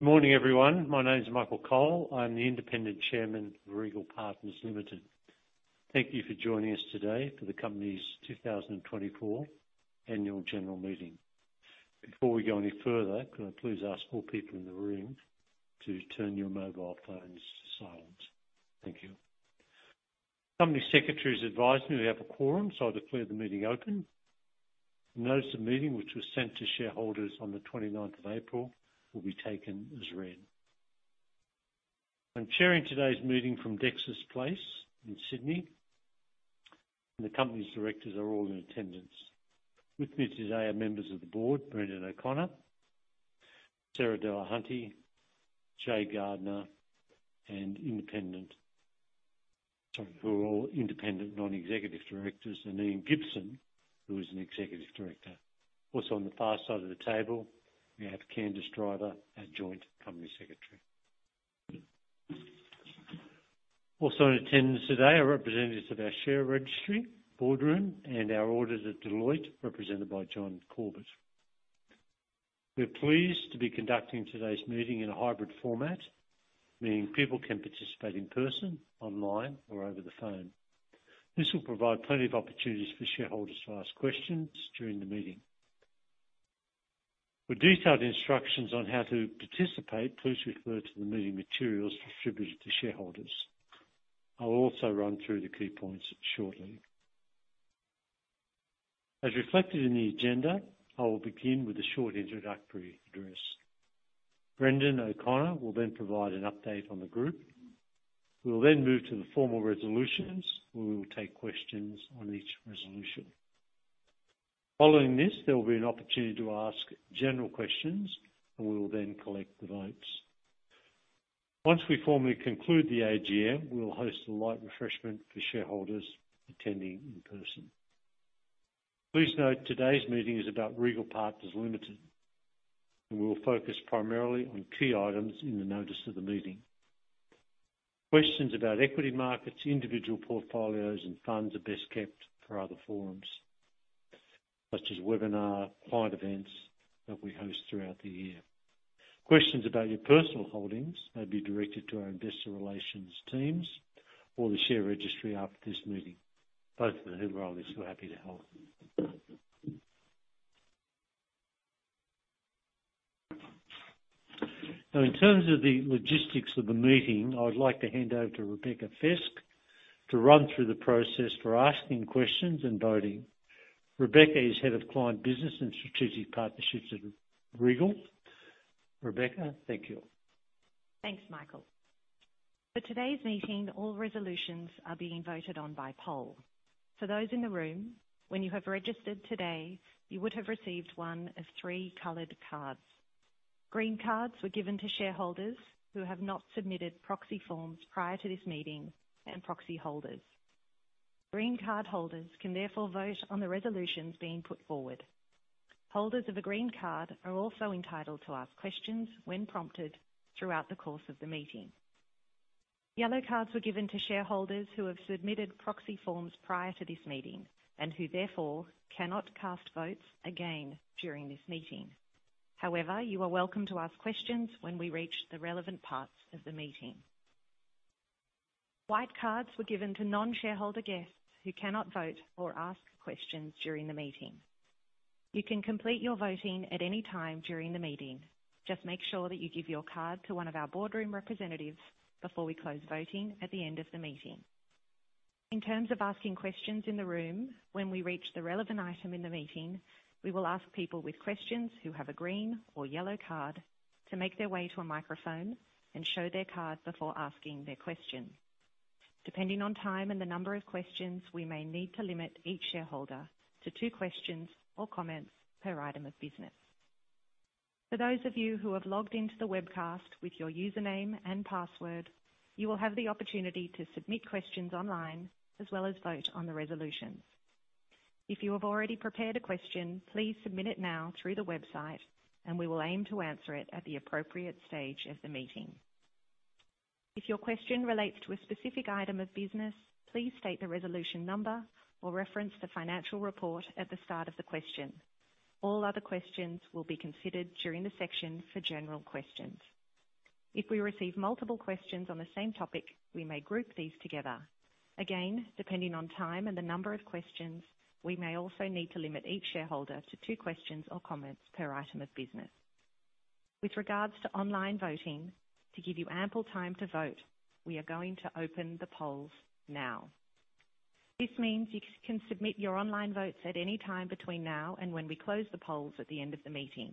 Good morning, everyone. My name is Michael Cole. I'm the Independent Chairman of Regal Partners Limited. Thank you for joining us today for the company's 2024 annual general meeting. Before we go any further, could I please ask all people in the room to turn your mobile phones to silent? Thank you. Company Secretary's advised me we have a quorum, so I'll declare the meeting open. Notice of Meeting, which was sent to shareholders on the twenty-ninth of April, will be taken as read. I'm sharing today's meeting from Dexus Place in Sydney, and the company's directors are all in attendance. With me today are members of the board, Brendan O'Connor, Sarah Dulhunty, Jaye Gardner, and independent- sorry, who are all Independent Non-Executive Directors, and Ian Gibson, who is an executive director. Also, on the far side of the table, we have Candice Driver, our Joint Company Secretary. Also in attendance today are representatives of our share registry, BoardRoom, and our auditors at Deloitte, represented by John Corbett. We're pleased to be conducting today's meeting in a hybrid format, meaning people can participate in person, online, or over the phone. This will provide plenty of opportunities for shareholders to ask questions during the meeting. For detailed instructions on how to participate, please refer to the meeting materials distributed to shareholders. I'll also run through the key points shortly. As reflected in the agenda, I will begin with a short introductory address. Brendan O'Connor will then provide an update on the group. We will then move to the formal resolutions, where we will take questions on each resolution. Following this, there will be an opportunity to ask general questions, and we will then collect the votes. Once we formally conclude the AGM, we'll host a light refreshment for shareholders attending in person. Please note, today's meeting is about Regal Partners Limited, and we will focus primarily on key items in the notice of the meeting. Questions about equity markets, individual portfolios, and funds are best kept for other forums, such as webinar, client events that we host throughout the year. Questions about your personal holdings may be directed to our investor relations teams or the share registry after this meeting. Both of them, who are obviously happy to help. Now, in terms of the logistics of the meeting, I would like to hand over to Rebecca Fiske to run through the process for asking questions and voting. Rebecca is Head of Client Business and Strategic Partnerships at Regal. Rebecca, thank you. Thanks, Michael. For today's meeting, all resolutions are being voted on by poll. For those in the room, when you have registered today, you would have received one of three colored cards. Green cards were given to shareholders who have not submitted proxy forms prior to this meeting and proxy holders. Green card holders can therefore vote on the resolutions being put forward. Holders of a green card are also entitled to ask questions when prompted throughout the course of the meeting. Yellow cards were given to shareholders who have submitted proxy forms prior to this meeting and who, therefore, cannot cast votes again during this meeting. However, you are welcome to ask questions when we reach the relevant parts of the meeting. White cards were given to non-shareholder guests who cannot vote or ask questions during the meeting. You can complete your voting at any time during the meeting. Just make sure that you give your card to one of our BoardRoom representatives before we close voting at the end of the meeting. In terms of asking questions in the room, when we reach the relevant item in the meeting, we will ask people with questions who have a green or yellow card to make their way to a microphone and show their card before asking their question. Depending on time and the number of questions, we may need to limit each shareholder to two questions or comments per item of business. For those of you who have logged into the webcast with your username and password, you will have the opportunity to submit questions online, as well as vote on the resolutions. If you have already prepared a question, please submit it now through the website, and we will aim to answer it at the appropriate stage of the meeting. If your question relates to a specific item of business, please state the resolution number or reference the Financial Report at the start of the question. All other questions will be considered during the section for general questions. If we receive multiple questions on the same topic, we may group these together. Again, depending on time and the number of questions, we may also need to limit each shareholder to two questions or comments per item of business. With regards to online voting, to give you ample time to vote, we are going to open the polls now. This means you can submit your online votes at any time between now and when we close the polls at the end of the meeting.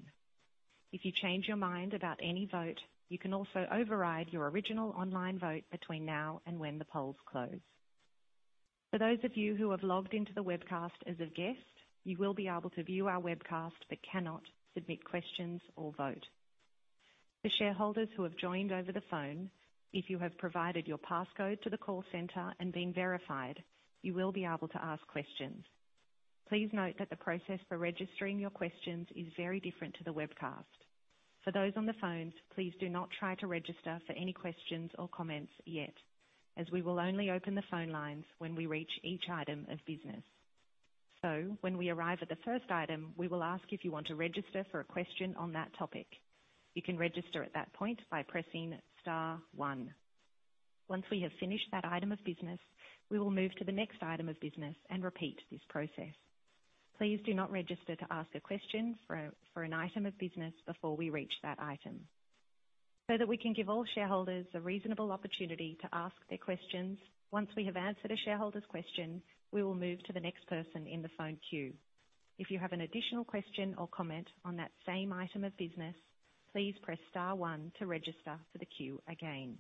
If you change your mind about any vote, you can also override your original online vote between now and when the polls close. For those of you who have logged into the webcast as a guest, you will be able to view our webcast but cannot submit questions or vote. For shareholders who have joined over the phone, if you have provided your passcode to the call center and been verified, you will be able to ask questions. Please note that the process for registering your questions is very different to the webcast. For those on the phones, please do not try to register for any questions or comments yet, as we will only open the phone lines when we reach each item of business. So when we arrive at the first item, we will ask if you want to register for a question on that topic. You can register at that point by pressing star one. Once we have finished that item of business, we will move to the next item of business and repeat this process. Please do not register to ask a question for an item of business before we reach that item. So that we can give all shareholders a reasonable opportunity to ask their questions, once we have answered a shareholder's question, we will move to the next person in the phone queue. If you have an additional question or comment on that same item of business, please press star one to register for the queue again.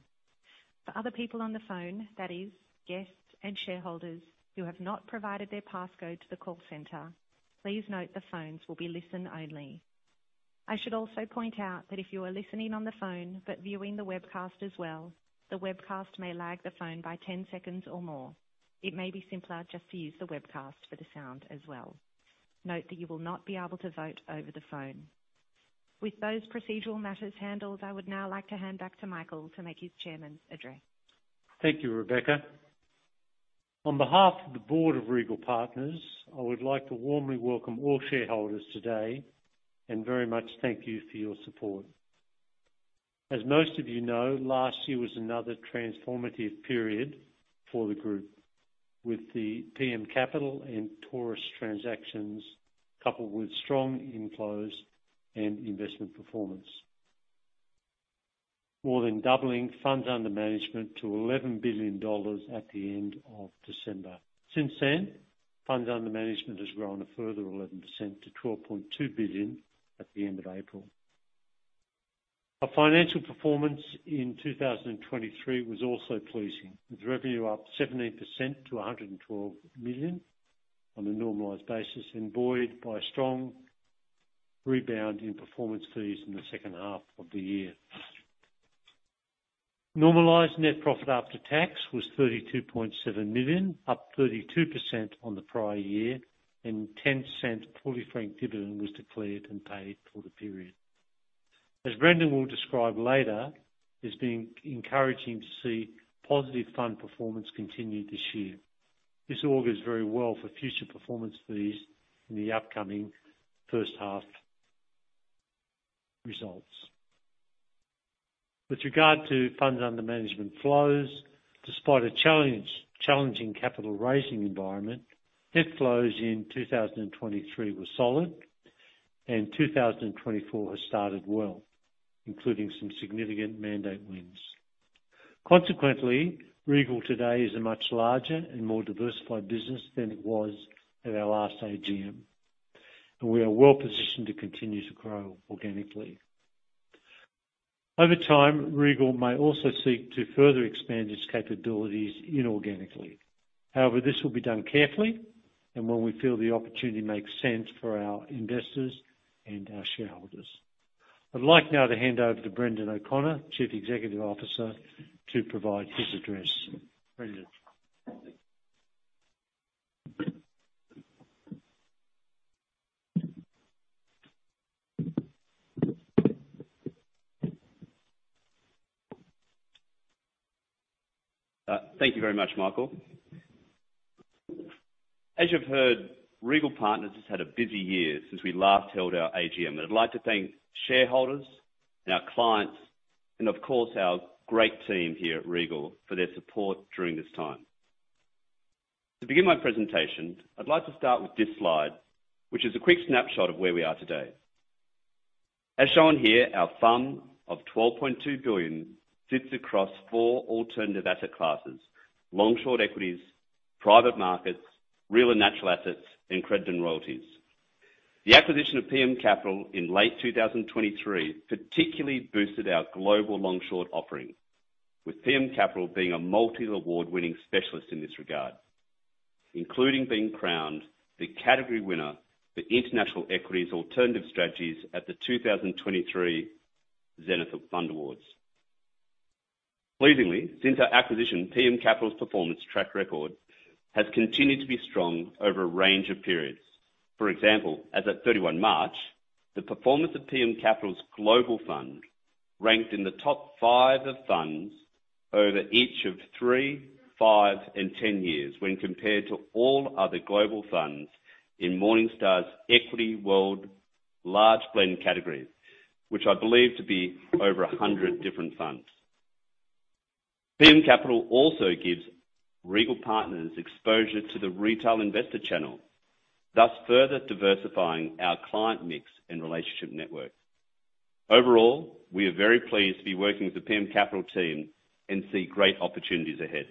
For other people on the phone, that is, guests and shareholders who have not provided their passcode to the call center, please note the phones will be listen only. I should also point out that if you are listening on the phone but viewing the webcast as well, the webcast may lag the phone by 10 seconds or more. It may be simpler just to use the webcast for the sound as well. Note that you will not be able to vote over the phone. With those procedural matters handled, I would now like to hand back to Michael to make his chairman's address. Thank you, Rebecca. On behalf of the Board of Regal Partners, I would like to warmly welcome all shareholders today, and very much thank you for your support. As most of you know, last year was another transformative period for the group, with the PM Capital and Taurus transactions, coupled with strong inflows and investment performance, more than doubling funds under management to 11 billion dollars at the end of December. Since then, funds under management has grown a further 11% to 12.2 billion at the end of April. Our financial performance in 2023 was also pleasing, with revenue up 17% to 112 million on a normalized basis and buoyed by strong rebound in performance fees in the second half of the year. Normalized Net Profit After Tax was AUD 32.7 million, up 32% on the prior year, and AUD 0.10 fully franked dividend was declared and paid for the period. As Brendan will describe later, it's been encouraging to see positive fund performance continue this year. This augurs very well for future performance fees in the upcoming first half results. With regard to funds under management flows, despite a challenging capital raising environment, net flows in 2023 were solid, and 2024 has started well, including some significant mandate wins. Consequently, Regal today is a much larger and more diversified business than it was at our last AGM, and we are well positioned to continue to grow organically. Over time, Regal may also seek to further expand its capabilities inorganically. However, this will be done carefully and when we feel the opportunity makes sense for our investors and our shareholders. I'd like now to hand over to Brendan O'Connor, Chief Executive Officer, to provide his address. Brendan? Thank you very much, Michael. As you've heard, Regal Partners has had a busy year since we last held our AGM, and I'd like to thank shareholders and our clients, and of course, our great team here at Regal for their support during this time. To begin my presentation, I'd like to start with this slide, which is a quick snapshot of where we are today. As shown here, our FUM of 12.2 billion sits across four alternative asset classes: long-short equities, private markets, real and natural assets, and credit and royalties. The acquisition of PM Capital in late 2023 particularly boosted our global long-short offering, with PM Capital being a multi-award-winning specialist in this regard, including being crowned the category winner for International Equities Alternative Strategies at the 2023 Zenith Fund Awards. Pleasingly, since our acquisition, PM Capital's performance track record has continued to be strong over a range of periods. For example, as at 31 March, the performance of PM Capital's global fund ranked in the top 5 of funds over each of 3, 5, and 10 years when compared to all other global funds in Morningstar's Equity World Large Blend category, which I believe to be over 100 different funds. PM Capital also gives Regal Partners exposure to the retail investor channel, thus further diversifying our client mix and relationship network. Overall, we are very pleased to be working with the PM Capital team and see great opportunities ahead.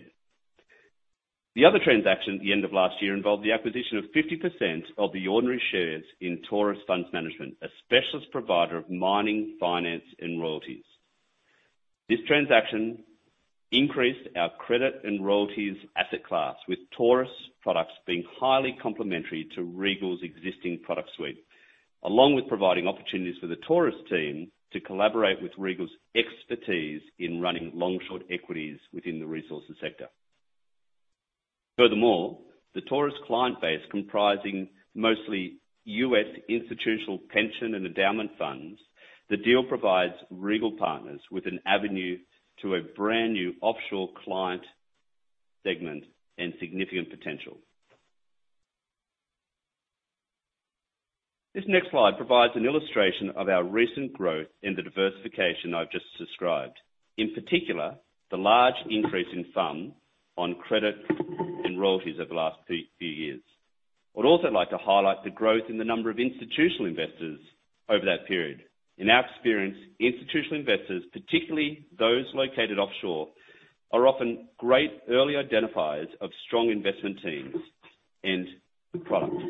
The other transaction at the end of last year involved the acquisition of 50% of the ordinary shares in Taurus Funds Management, a specialist provider of mining, finance, and royalties. This transaction increased our credit and royalties asset class, with Taurus products being highly complementary to Regal's existing product suite, along with providing opportunities for the Taurus team to collaborate with Regal's expertise in running long-short equities within the resources sector. Furthermore, the Taurus client base, comprising mostly U.S. institutional pension and endowment funds, the deal provides Regal Partners with an avenue to a brand-new offshore client segment and significant potential.... This next slide provides an illustration of our recent growth in the diversification I've just described. In particular, the large increase in FUM on credit and royalties over the last few years. I'd also like to highlight the growth in the number of institutional investors over that period. In our experience, institutional investors, particularly those located offshore, are often great early identifiers of strong investment teams and good products.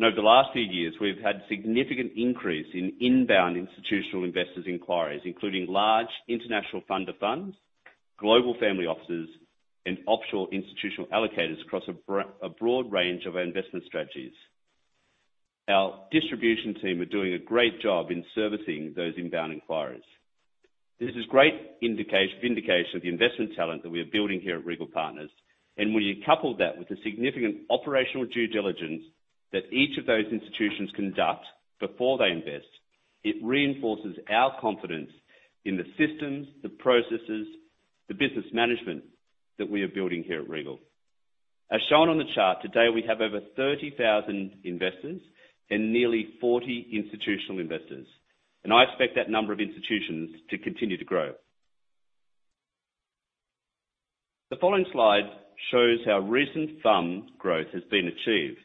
Over the last few years, we've had significant increase in inbound institutional investors' inquiries, including large international fund-of-funds, global family offices, and offshore institutional allocators across a broad range of our investment strategies. Our distribution team are doing a great job in servicing those inbound inquiries. This is great indication, indication of the investment talent that we are building here at Regal Partners, and when you couple that with the significant operational due diligence that each of those institutions conduct before they invest, it reinforces our confidence in the systems, the processes, the business management that we are building here at Regal. As shown on the chart, today, we have over 30,000 investors and nearly 40 institutional investors, and I expect that number of institutions to continue to grow. The following slide shows how recent FUM growth has been achieved.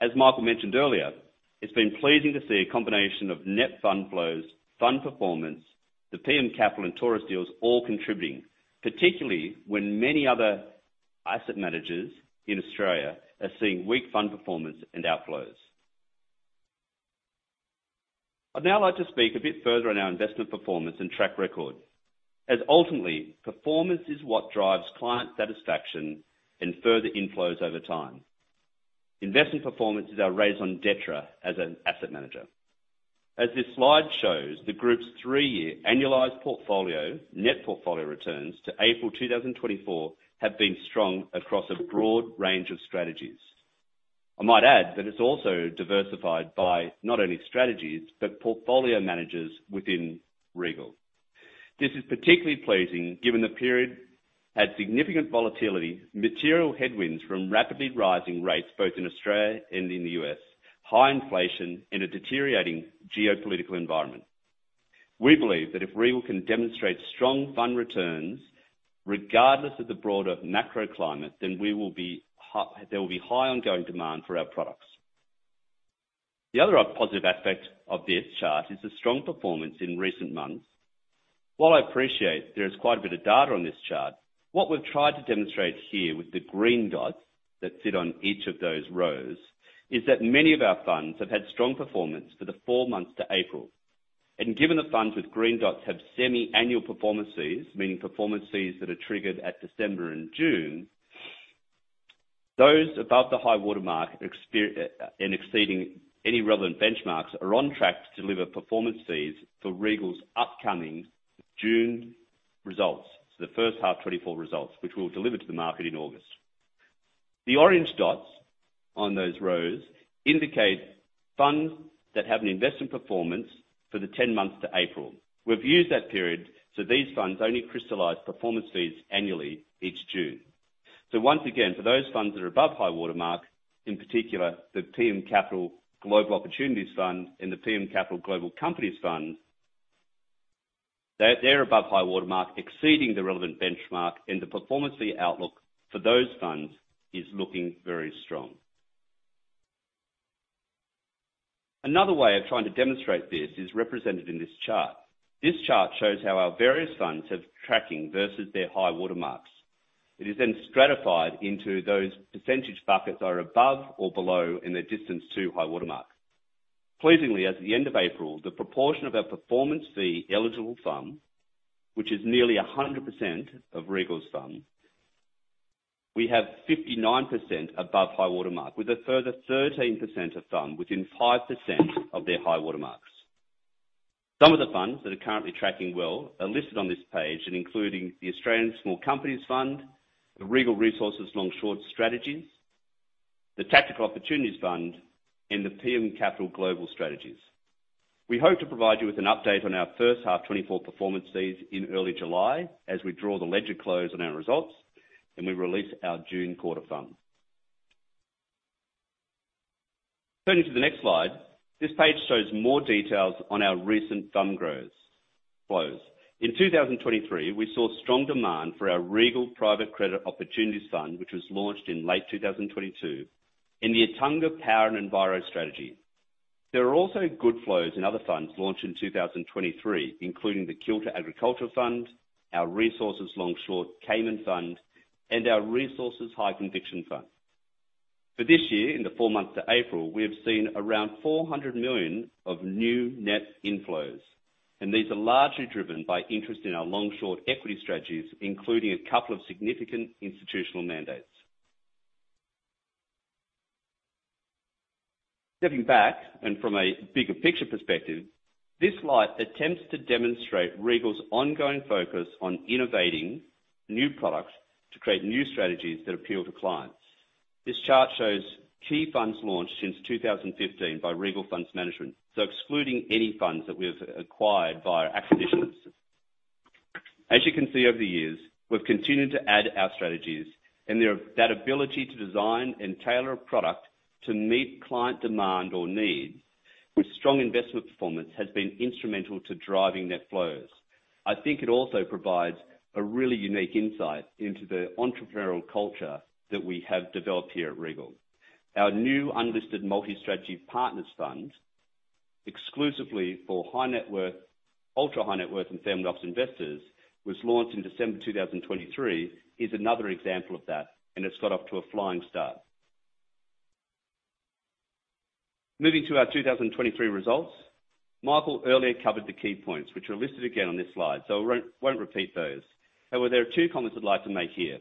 As Michael mentioned earlier, it's been pleasing to see a combination of net fund flows, FUM performance, the PM Capital and Taurus deals all contributing, particularly when many other asset managers in Australia are seeing weak fund performance and outflows. I'd now like to speak a bit further on our investment performance and track record, as ultimately, performance is what drives client satisfaction and further inflows over time. Investment performance is our raison d'être as an asset manager. As this slide shows, the group's three-year annualized portfolio, net portfolio returns to April 2024, have been strong across a broad range of strategies. I might add that it's also diversified by not only strategies, but portfolio managers within Regal. This is particularly pleasing, given the period had significant volatility, material headwinds from rapidly rising rates, both in Australia and in the U.S., high inflation, and a deteriorating geopolitical environment. We believe that if Regal can demonstrate strong fund returns, regardless of the broader macroclimate, then there will be high ongoing demand for our products. The other, positive aspect of this chart is the strong performance in recent months. While I appreciate there is quite a bit of data on this chart, what we've tried to demonstrate here with the green dots that sit on each of those rows, is that many of our funds have had strong performance for the four months to April. And given the funds with green dots have semi-annual performance fees, meaning performance fees that are triggered at December and June, those above the High Water Mark and exceeding any relevant benchmarks, are on track to deliver performance fees for Regal's upcoming June results. So the first half 2024 results, which we'll deliver to the market in August. The orange dots on those rows indicate funds that have an investment performance for the ten months to April. We've used that period, so these funds only crystallize performance fees annually each June. So once again, for those funds that are above High Water Mark, in particular, the PM Capital Global Opportunities Fund and the PM Capital Global Companies Fund, they're, they're above High Water Mark, exceeding the relevant benchmark, and the performance fee outlook for those funds is looking very strong. Another way of trying to demonstrate this is represented in this chart. This chart shows how our various funds have tracking versus their high water marks. It is then stratified into those percentage buckets are above or below in their distance to high water marks. Pleasingly, at the end of April, the proportion of our performance fee eligible FUM, which is nearly 100% of Regal's FUM, we have 59% above high water mark, with a further 13% of FUM within 5% of their high water marks. Some of the funds that are currently tracking well are listed on this page, and including the Australian Small Companies Fund, the Regal Resources Long Short Strategies, the Tactical Opportunities Fund, and the PM Capital Global Strategies. We hope to provide you with an update on our first half 2024 performance fees in early July as we draw the ledger close on our results and we release our June quarter FUM. Turning to the next slide, this page shows more details on our recent FUM growth, flows. In 2023, we saw strong demand for our Regal Private Credit Opportunities Fund, which was launched in late 2022, in the Attunga Power and Enviro Strategy. There are also good flows in other funds launched in 2023, including the Kilter Agriculture Fund, our Resources Long Short Cayman Fund, and our Resources High Conviction Fund. For this year, in the 4 months to April, we have seen around 400 million of new net inflows, and these are largely driven by interest in our long-short equity strategies, including a couple of significant institutional mandates. Stepping back, and from a bigger picture perspective, this slide attempts to demonstrate Regal's ongoing focus on innovating new products to create new strategies that appeal to clients. This chart shows key funds launched since 2015 by Regal Funds Management, so excluding any funds that we have acquired via acquisitions.... As you can see, over the years, we've continued to add our strategies, and there, that ability to design and tailor a product to meet client demand or need, with strong investment performance, has been instrumental to driving net flows. I think it also provides a really unique insight into the entrepreneurial culture that we have developed here at Regal. Our new unlisted multi-strategy partners fund, exclusively for high net worth, ultra high net worth, and family office investors, was launched in December 2023, is another example of that, and it's got off to a flying start. Moving to our 2023 results, Michael earlier covered the key points, which are listed again on this slide, so I won't, won't repeat those. However, there are two comments I'd like to make here.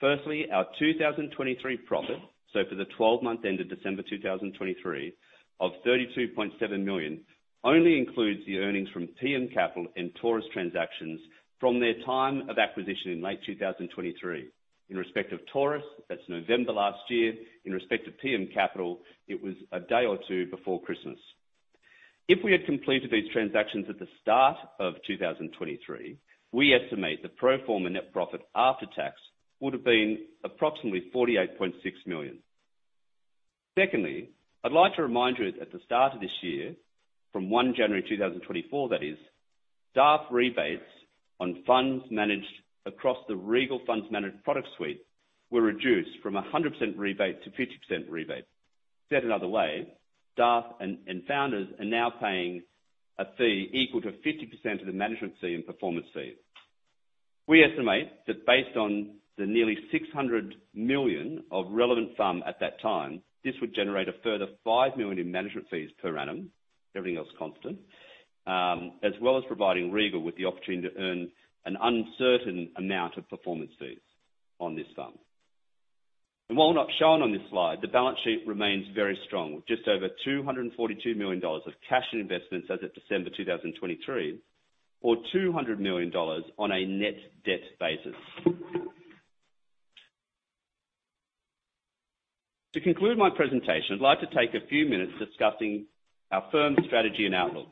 Firstly, our 2023 profit, so for the 12-month period ended December 2023, of 32.7 million, only includes the earnings from PM Capital and Taurus transactions from their time of acquisition in late 2023. In respect of Taurus, that's November last year. In respect to PM Capital, it was a day or two before Christmas. If we had completed these transactions at the start of 2023, we estimate the pro forma net profit after tax would've been approximately 48.6 million. Secondly, I'd like to remind you that at the start of this year, from 1 January 2024 that is, staff rebates on funds managed across the Regal Funds Management product suite, were reduced from a 100% rebate to 50% rebate. Said another way, staff and founders are now paying a fee equal to 50% of the management fee and performance fee. We estimate that based on the nearly 600 million of relevant sum at that time, this would generate a further 5 million in management fees per annum, everything else constant, as well as providing Regal with the opportunity to earn an uncertain amount of performance fees on this sum. While not shown on this slide, the balance sheet remains very strong, with just over 242 million dollars of cash and investments as of December 2023, or 200 million dollars on a net debt basis. To conclude my presentation, I'd like to take a few minutes discussing our firm's strategy and outlook.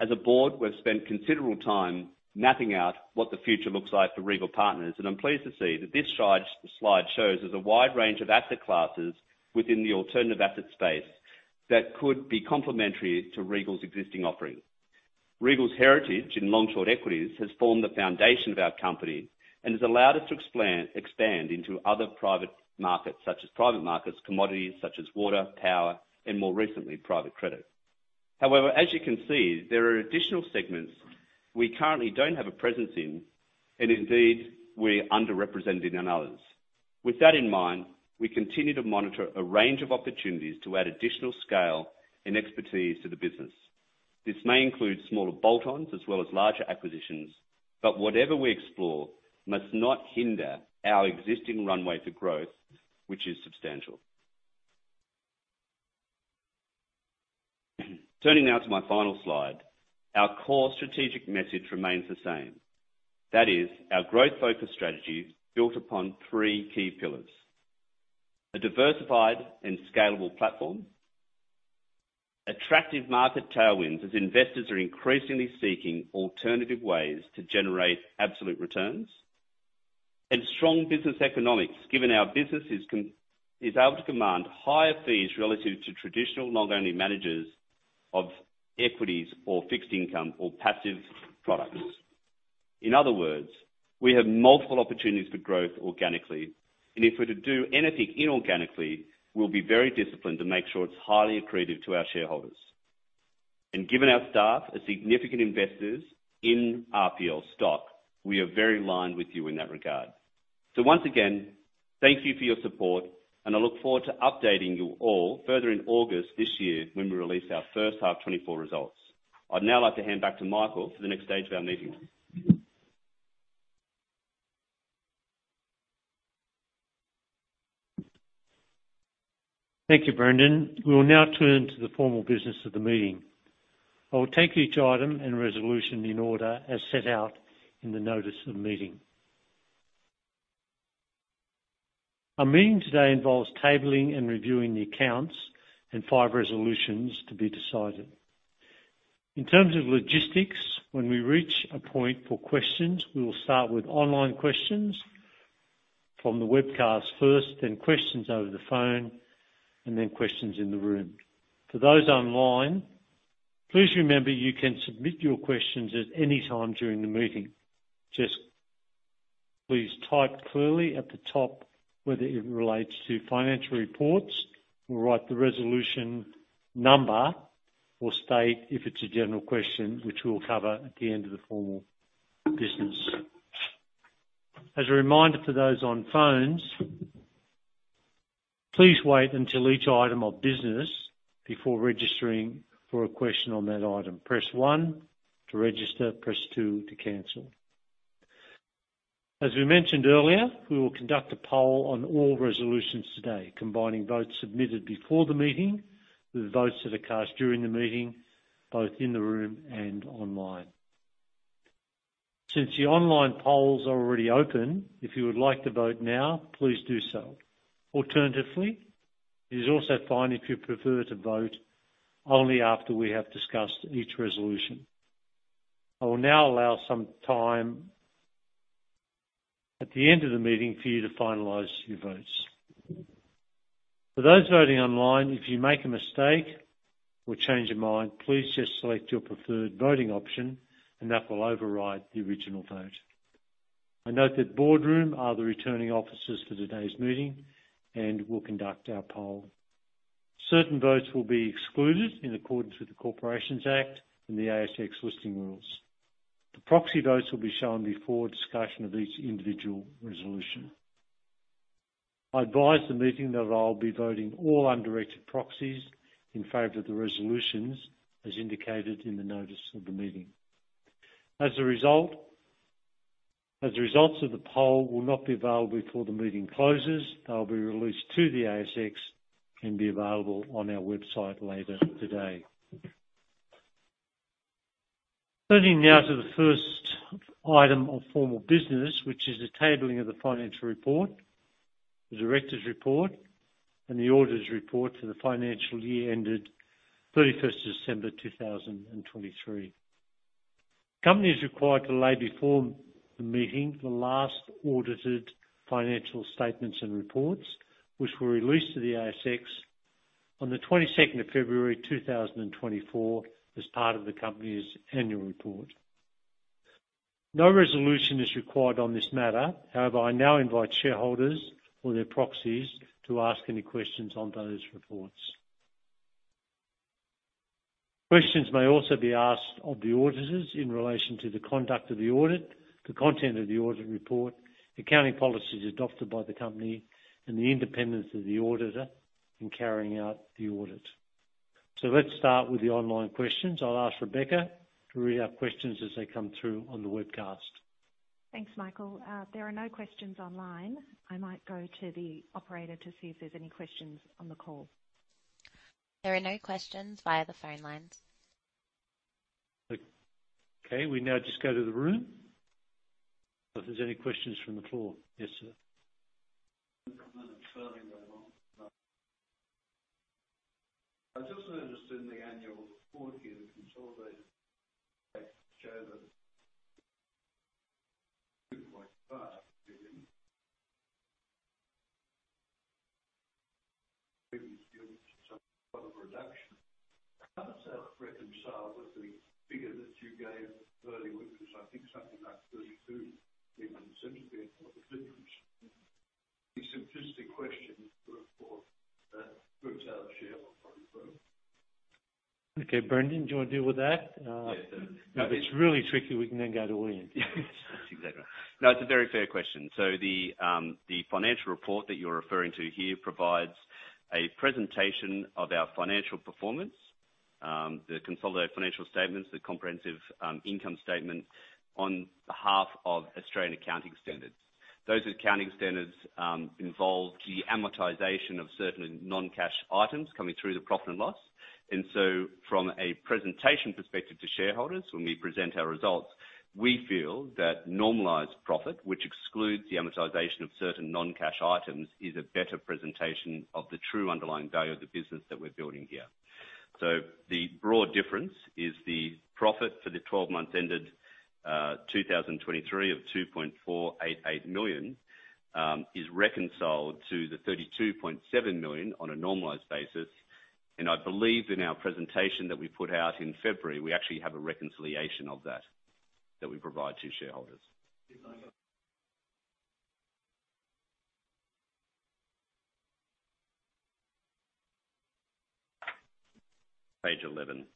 As a board, we've spent considerable time mapping out what the future looks like for Regal Partners, and I'm pleased to see that this slide shows there's a wide range of asset classes within the alternative asset space that could be complementary to Regal's existing offerings. Regal's heritage in long-short equities has formed the foundation of our company and has allowed us to expand into other private markets, such as private markets, commodities such as water, power, and more recently, private credit. However, as you can see, there are additional segments we currently don't have a presence in, and indeed, we're underrepresented in others. With that in mind, we continue to monitor a range of opportunities to add additional scale and expertise to the business. This may include smaller bolt-ons as well as larger acquisitions, but whatever we explore must not hinder our existing runway to growth, which is substantial. Turning now to my final slide, our core strategic message remains the same. That is, our growth-focused strategy built upon three key pillars: A diversified and scalable platform, attractive market tailwinds, as investors are increasingly seeking alternative ways to generate absolute returns, and strong business economics, given our business is able to command higher fees relative to traditional long-only managers of equities or fixed income or passive products. In other words, we have multiple opportunities for growth organically, and if we're to do anything inorganically, we'll be very disciplined to make sure it's highly accretive to our shareholders. Given our staff are significant investors in RPL stock, we are very aligned with you in that regard. So once again, thank you for your support, and I look forward to updating you all further in August this year when we release our first half 2024 results. I'd now like to hand back to Michael for the next stage of our meeting. Thank you, Brendan. We will now turn to the formal business of the meeting. I will take each item and resolution in order, as set out in the notice of the meeting. Our meeting today involves tabling and reviewing the accounts and five resolutions to be decided. In terms of logistics, when we reach a point for questions, we will start with online questions from the webcast first, then questions over the phone, and then questions in the room. For those online, please remember, you can submit your questions at any time during the meeting. Just please type clearly at the top, whether it relates to Financial Reports, or write the resolution number, or state if it's a general question, which we'll cover at the end of the formal business. As a reminder to those on phones, please wait until each item of business before registering for a question on that item. Press 1 to register, press 2 to cancel. As we mentioned earlier, we will conduct a poll on all resolutions today, combining votes submitted before the meeting with votes that are cast during the meeting, both in the room and online. Since the online polls are already open, if you would like to vote now, please do so. Alternatively, it is also fine if you prefer to vote only after we have discussed each resolution. I will now allow some time at the end of the meeting for you to finalize your votes. For those voting online, if you make a mistake or change your mind, please just select your preferred voting option and that will override the original vote. I note that BoardRoom are the returning officers for today's meeting and will conduct our poll. Certain votes will be excluded in accordance with the Corporations Act and the ASX Listing Rules. The proxy votes will be shown before discussion of each individual resolution. I advise the meeting that I'll be voting all undirected proxies in favor of the resolutions, as indicated in the notice of the meeting. As a result, as the results of the poll will not be available before the meeting closes, they'll be released to the ASX and be available on our website later today. Turning now to the first item of formal business, which is the tabling of the Financial Report, the Directors' Report, and the Auditors' Report for the financial year ended 31st December 2023. company is required to lay before the meeting the last audited financial statements and reports, which were released to the ASX on the 22nd of February 2024, as part of the company's annual report. No resolution is required on this matter. However, I now invite shareholders or their proxies to ask any questions on those reports. Questions may also be asked of the auditors in relation to the conduct of the audit, the content of the audit report, accounting policies adopted by the company, and the independence of the auditor in carrying out the audit. Let's start with the online questions. I'll ask Rebecca to read out questions as they come through on the webcast. Thanks, Michael. There are no questions online. I might go to the operator to see if there's any questions on the call. There are no questions via the phone lines. Okay. We now just go to the room, if there's any questions from the floor. Yes, sir. Further along. I just noticed in the annual report here, consolidated showed that AUD 45 million, some reduction. How does that reconcile with the figure that you gave earlier, which was, I think, something like 32 million? What's the difference? A simplistic question for the group's FUM. Okay, Brendan, do you want to deal with that? Yes. If it's really tricky, we can then go to William. Exactly. No, it's a very fair question. So the Financial Report that you're referring to here provides a presentation of our financial performance, the consolidated financial statements, the comprehensive income statement on behalf of Australian Accounting Standards. Those accounting standards involve key amortization of certain non-cash items coming through the profit and loss. And so from a presentation perspective to shareholders, when we present our results, we feel that normalized profit, which excludes the amortization of certain non-cash items, is a better presentation of the true underlying value of the business that we're building here. So the broad difference is the profit for the 12 months ended 2023 of 2.488 million is reconciled to the 32.7 million on a normalized basis. I believe in our presentation that we put out in February, we actually have a reconciliation of that, that we provide to shareholders. Page eleven. Page eleven,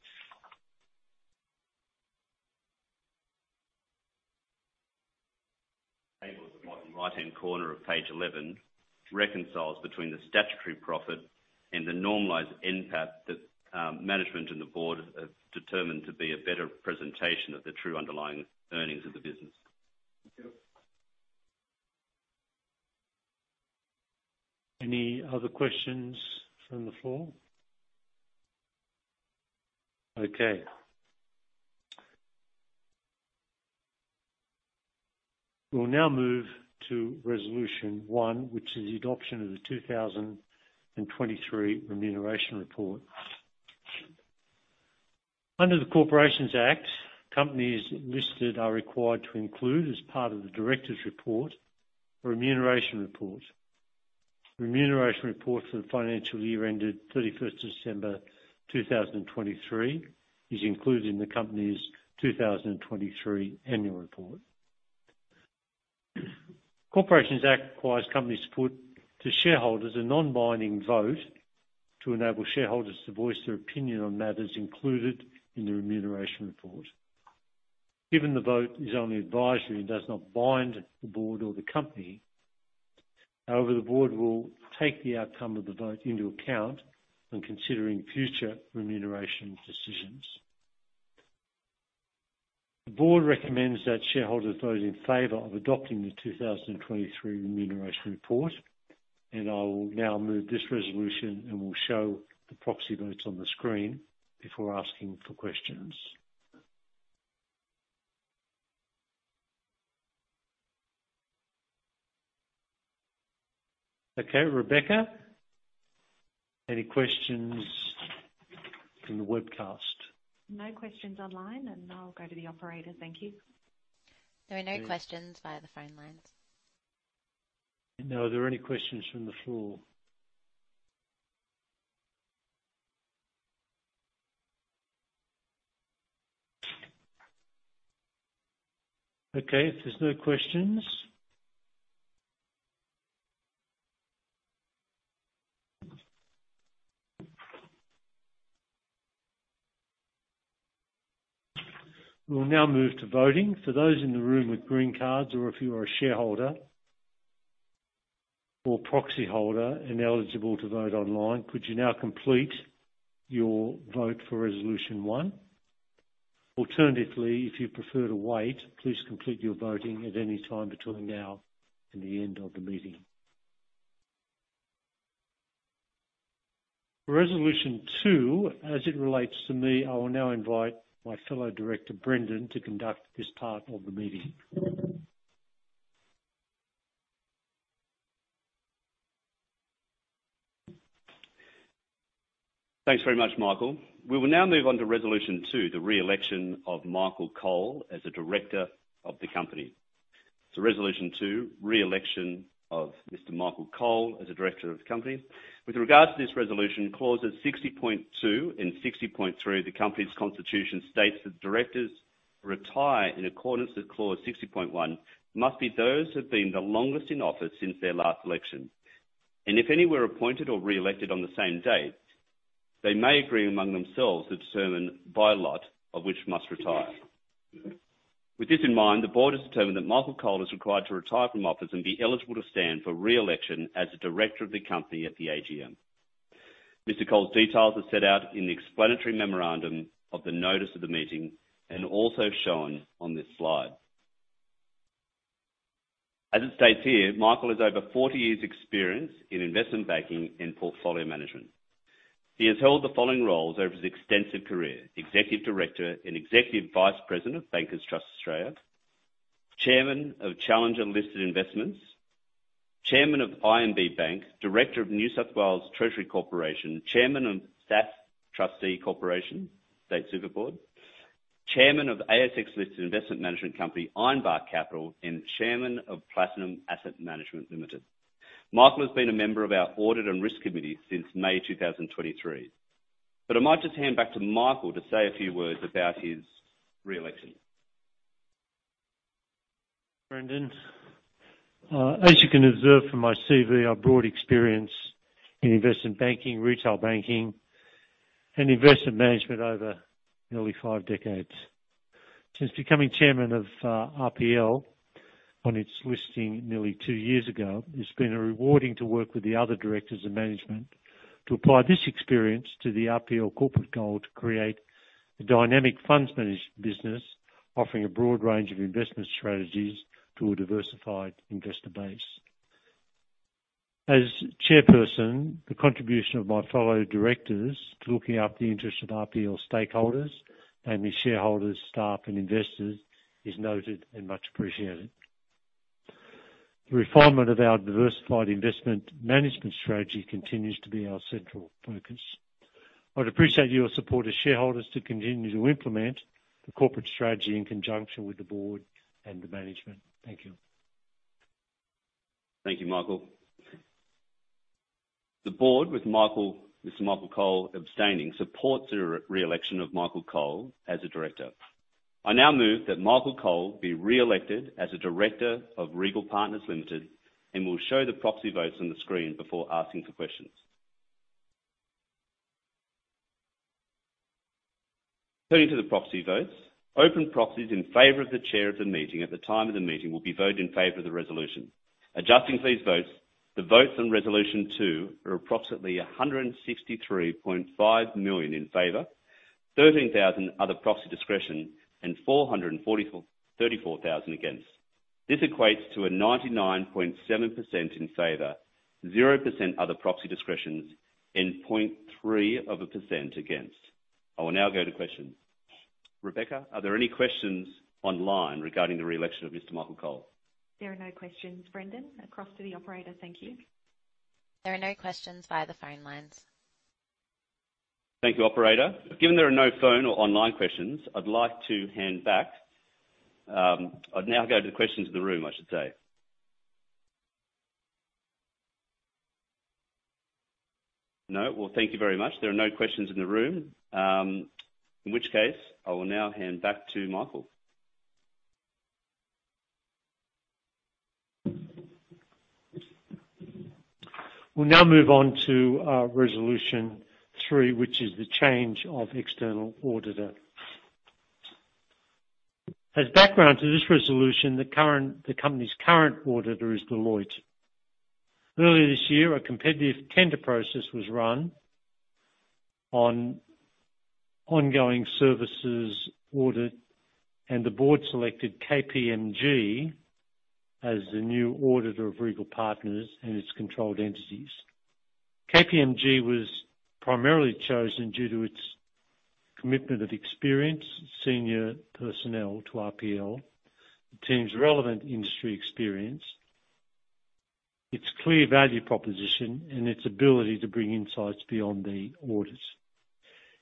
right-hand corner of page eleven, reconciles between the statutory profit and the normalized NPAT that, management and the board have determined to be a better presentation of the true underlying earnings of the business. Thank you. Any other questions from the floor? Okay. We'll now move to resolution one, which is the adoption of the 2023 Remuneration Report. Under the Corporations Act, companies listed are required to include, as part of the Directors' Report, a Remuneration Report. Remuneration Report for the financial year ended 31 December 2023 is included in the company's 2023 annual report. Corporations Act requires companies to put to shareholders a non-binding vote to enable shareholders to voice their opinion on matters included in the Remuneration Report. Given the vote is only advisory and does not bind the board or the company, however, the board will take the outcome of the vote into account when considering future remuneration decisions. The board recommends that shareholders vote in favor of adopting the 2023 Remuneration Report, and I will now move this resolution, and we'll show the proxy votes on the screen before asking for questions. Okay, Rebecca, any questions from the webcast? No questions online, and I'll go to the operator. Thank you. There are no questions via the phone lines. Are there any questions from the floor? Okay, if there's no questions, we'll now move to voting. For those in the room with green cards, or if you are a shareholder or proxy holder and eligible to vote online, could you now complete your vote for Resolution one? Alternatively, if you prefer to wait, please complete your voting at any time between now and the end of the meeting. For Resolution two, as it relates to me, I will now invite my fellow director, Brendan, to conduct this part of the meeting. Thanks very much, Michael. We will now move on to Resolution 2, the re-election of Michael Cole as a director of the company. So Resolution 2, re-election of Mr. Michael Cole as a director of the company. With regard to this resolution, Clauses 60.2 and 60.3 of the company's constitution states that directors retire in accordance with Clause 60.1, must be those who've been the longest in office since their last election, and if any were appointed or re-elected on the same date, they may agree among themselves to determine by lot of which must retire. With this in mind, the board has determined that Michael Cole is required to retire from office and be eligible to stand for re-election as a director of the company at the AGM. Mr. Cole's details are set out in the explanatory memorandum of the notice of the meeting and also shown on this slide. As it states here, Michael has over 40 years' experience in investment banking and portfolio management. He has held the following roles over his extensive career: Executive Director and Executive Vice President of Bankers Trust Australia, Chairman of Challenger Listed Investments, Chairman of IMB Bank, Director of New South Wales Treasury Corporation, Chairman of SASS Trustee Corporation, State Super Board, Chairman of ASX Listed Investment Management Company, Ironbark Capital, and Chairman of Platinum Asset Management Limited. Michael has been a member of our Audit and Risk Committee since May 2023, but I might just hand back to Michael to say a few words about his re-election. Brendan, as you can observe from my CV, I've broad experience in investment banking, retail banking, and investment management over nearly five decades. Since becoming chairman of RPL on its listing nearly two years ago, it's been rewarding to work with the other directors and management to apply this experience to the RPL corporate goal to create a dynamic funds managed business, offering a broad range of investment strategies to a diversified investor base. As chairperson, the contribution of my fellow directors to looking after the interest of RPL stakeholders, mainly shareholders, staff, and investors, is noted and much appreciated. The refinement of our diversified investment management strategy continues to be our central focus. I'd appreciate your support as shareholders to continue to implement the corporate strategy in conjunction with the board and the management. Thank you. Thank you, Michael. The board, with Michael, Mr. Michael Cole abstaining, supports the re-election of Michael Cole as a director. I now move that Michael Cole be re-elected as a director of Regal Partners Limited, and we'll show the proxy votes on the screen before asking for questions. Turning to the proxy votes, open proxies in favor of the chair of the meeting, at the time of the meeting, will be voted in favor of the resolution. Adjusting these votes, the votes on Resolution 2 are approximately 163.5 million in favor, 13,000 other proxy discretion, and 444,034 against. This equates to a 99.7% in favor, 0% other proxy discretions, and 0.3% against. I will now go to questions. Rebecca, are there any questions online regarding the re-election of Mr. Michael Cole? There are no questions, Brendan. Across to the operator. Thank you. There are no questions via the phone lines. Thank you, operator. Given there are no phone or online questions, I'd like to hand back... I'd now go to the questions in the room, I should say. No? Well, thank you very much. There are no questions in the room. In which case, I will now hand back to Michael. We'll now move on to Resolution three, which is the change of external auditor. As background to this resolution, the company's current auditor is Deloitte. Earlier this year, a competitive tender process was run on ongoing services audit, and the board selected KPMG as the new auditor of Regal Partners and its controlled entities. KPMG was primarily chosen due to its commitment of experienced senior personnel to RPL, the team's relevant industry experience, its clear value proposition, and its ability to bring insights beyond the orders.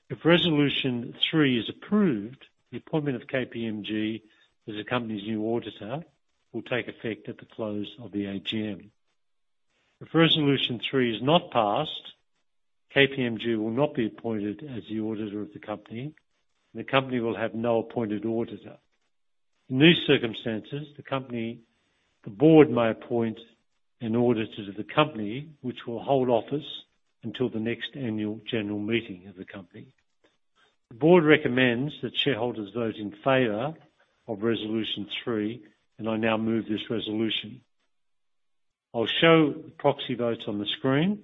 If Resolution three is approved, the appointment of KPMG as the company's new auditor will take effect at the close of the AGM. If Resolution three is not passed, KPMG will not be appointed as the auditor of the company, and the company will have no appointed auditor. In these circumstances, the board may appoint an auditor to the company, which will hold office until the next annual general meeting of the company. The board recommends that shareholders vote in favor of Resolution 3, and I now move this resolution. I'll show the proxy votes on the screen.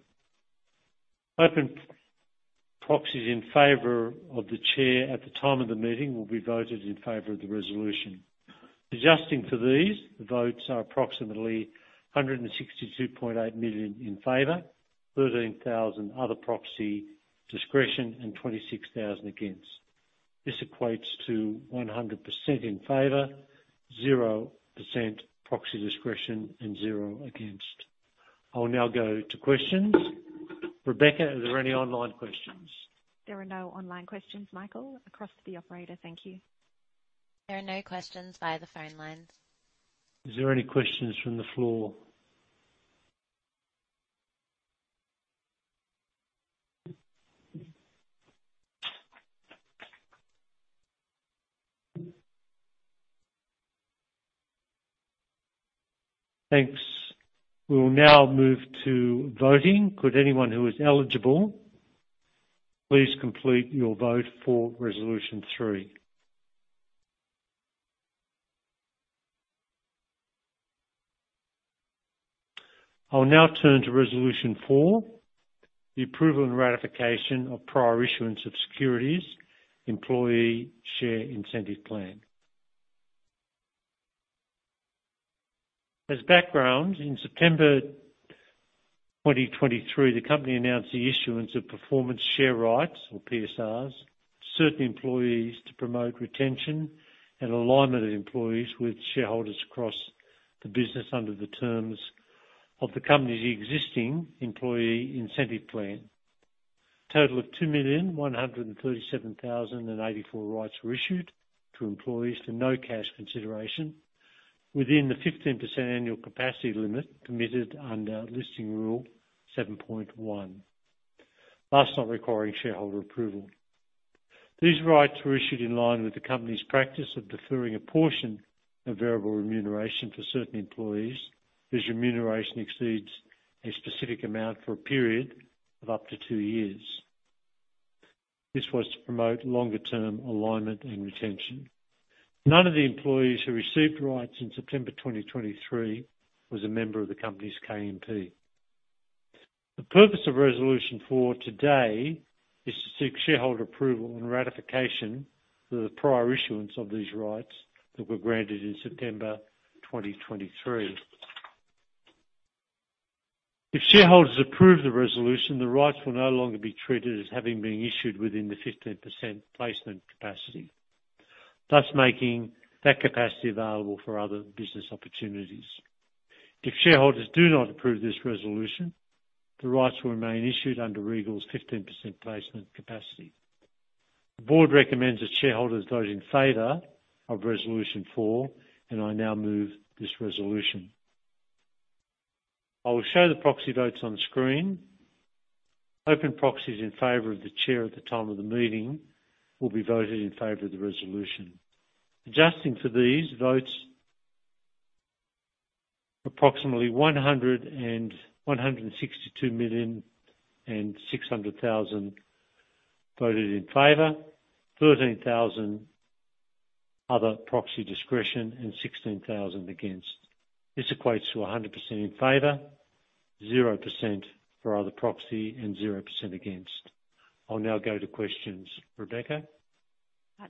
Open proxies in favor of the chair at the time of the meeting will be voted in favor of the resolution. Adjusting for these, the votes are approximately 162.8 million in favor, 13,000 other proxy discretion, and 26,000 against. This equates to 100% in favor, 0% proxy discretion, and 0% against. I'll now go to questions. Rebecca, are there any online questions? There are no online questions, Michael. Across to the operator. Thank you. There are no questions via the phone lines. Is there any questions from the floor? Thanks. We will now move to voting. Could anyone who is eligible please complete your vote for Resolution 3. I will now turn to Resolution 4, the approval and ratification of prior issuance of securities Employee Share Incentive Plan. As background, in September 2023, the company announced the issuance of Performance Share Rights, or PSRs, to certain employees to promote retention and alignment of employees with shareholders across the business under the terms of the company's existing employee incentive plan. A total of 2,137,084 rights were issued to employees for no cash consideration within the 15% annual capacity limit permitted under Listing Rule 7.1, thus not requiring shareholder approval. These rights were issued in line with the company's practice of deferring a portion of variable remuneration for certain employees, whose remuneration exceeds a specific amount for a period of up to two years. This was to promote longer-term alignment and retention. None of the employees who received rights in September 2023 was a member of the company's KMP. The purpose of Resolution 4 today is to seek shareholder approval and ratification for the prior issuance of these rights that were granted in September 2023. If shareholders approve the resolution, the rights will no longer be treated as having been issued within the 15% placement capacity, thus making that capacity available for other business opportunities. If shareholders do not approve this resolution, the rights will remain issued under Regal's 15% placement capacity. The board recommends that shareholders vote in favor of Resolution four, and I now move this resolution. I will show the proxy votes on screen. Open proxies in favor of the chair at the time of the meeting will be voted in favor of the resolution. Adjusting for these votes, approximately 162,600,000 voted in favor, 13,000 other proxy discretion, and 16,000 against. This equates to 100% in favor, 0% for other proxy, and 0% against. I'll now go to questions. Rebecca?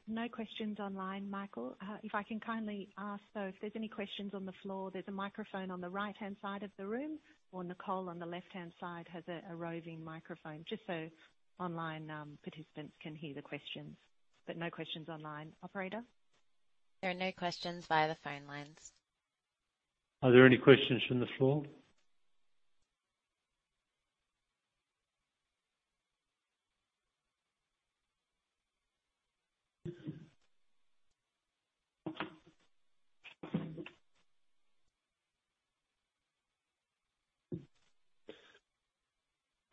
No questions online, Michael. If I can kindly ask, though, if there's any questions on the floor, there's a microphone on the right-hand side of the room, or Nicole, on the left-hand side, has a roving microphone, just so online participants can hear the questions. But no questions online. Operator? There are no questions via the phone lines. Are there any questions from the floor?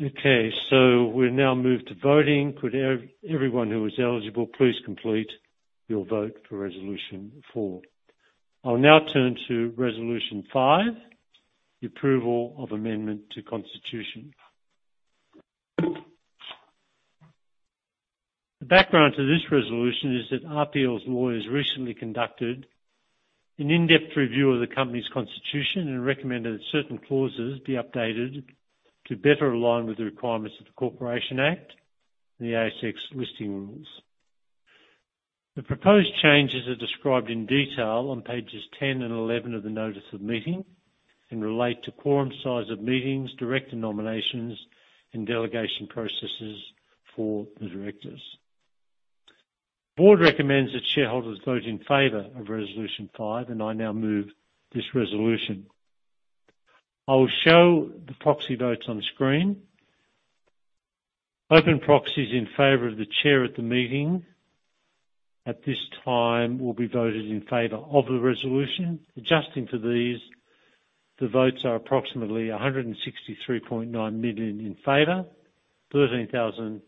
Okay, so we'll now move to voting. Could everyone who is eligible, please complete your vote for Resolution four. I'll now turn to Resolution five, the approval of amendment to constitution. The background to this resolution is that RPL's lawyers recently conducted an in-depth review of the company's constitution and recommended that certain clauses be updated to better align with the requirements of the Corporations Act and the ASX Listing Rules. The proposed changes are described in detail on pages 10 and 11 of the Notice of Meeting, and relate to quorum size of meetings, director nominations, and delegation processes for the directors. The board recommends that shareholders vote in favor of Resolution Five, and I now move this resolution. I will show the proxy votes on screen. Open proxies in favor of the chair at the meeting at this time will be voted in favor of the resolution. Adjusting to these, the votes are approximately 163.9 million in favor, 13,000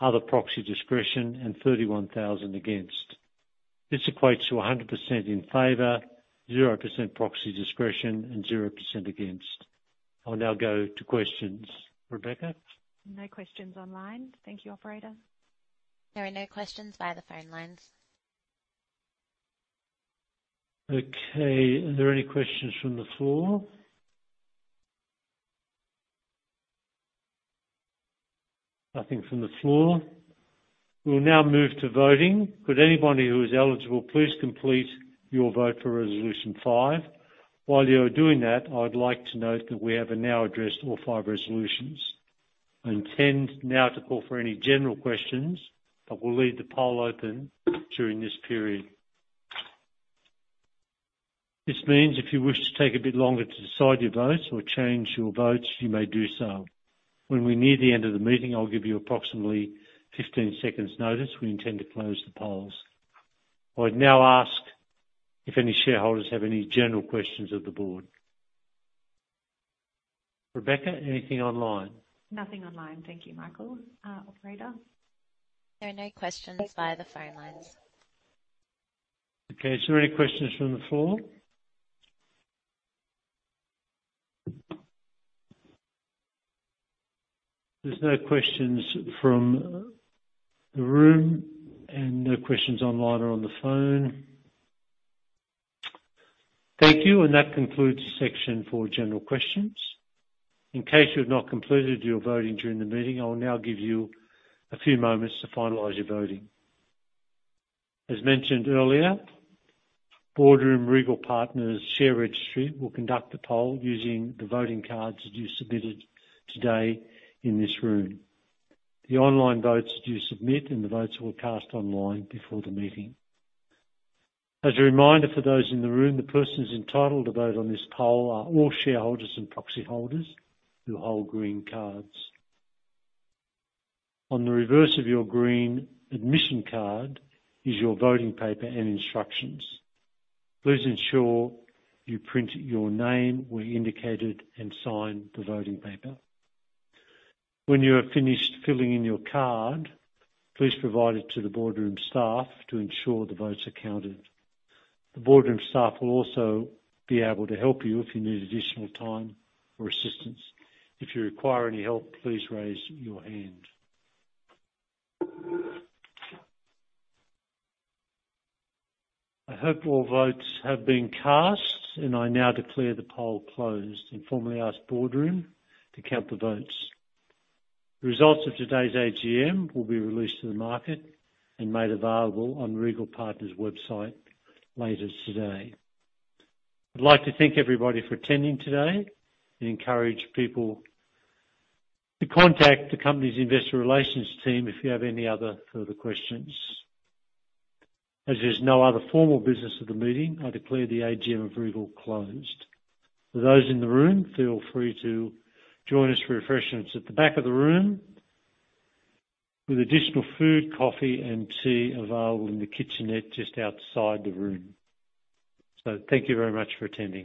other proxy discretion, and 31,000 against. This equates to 100% in favor, 0% proxy discretion, and 0% against. I will now go to questions. Rebecca? No questions online. Thank you, operator. There are no questions via the phone lines. Okay. Are there any questions from the floor? Nothing from the floor. We will now move to voting. Could anybody who is eligible, please complete your vote for Resolution Five. While you are doing that, I would like to note that we have now addressed all five resolutions. I intend now to call for any general questions, but we'll leave the poll open during this period. This means if you wish to take a bit longer to decide your votes or change your votes, you may do so. When we near the end of the meeting, I'll give you approximately 15 seconds notice. We intend to close the polls. I'd now ask if any shareholders have any general questions of the board. Rebecca, anything online? Nothing online. Thank you, Michael. Operator? There are no questions via the phone lines. Okay. Is there any questions from the floor? There's no questions from the room and no questions online or on the phone. Thank you, and that concludes section four, general questions. In case you have not completed your voting during the meeting, I will now give you a few moments to finalize your voting. As mentioned earlier, BoardRoom Regal Partners Share Registry will conduct the poll using the voting cards that you submitted today in this room, the online votes you submit, and the votes that were cast online before the meeting. As a reminder for those in the room, the persons entitled to vote on this poll are all shareholders and proxy holders who hold green cards. On the reverse of your green admission card is your voting paper and instructions. Please ensure you print your name where indicated, and sign the voting paper. When you are finished filling in your card, please provide it to the BoardRoom staff to ensure the votes are counted. The BoardRoom staff will also be able to help you if you need additional time or assistance. If you require any help, please raise your hand. I hope all votes have been cast, and I now declare the poll closed and formally ask BoardRoom to count the votes. The results of today's AGM will be released to the market and made available on Regal Partners' website later today. I'd like to thank everybody for attending today and encourage people to contact the company's investor relations team if you have any other further questions. As there's no other formal business of the meeting, I declare the AGM of Regal closed. For those in the room, feel free to join us for refreshments at the back of the room, with additional food, coffee, and tea available in the kitchenette just outside the room. Thank you very much for attending.